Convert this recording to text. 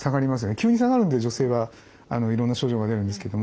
急に下がるんで女性はいろんな症状が出るんですけども。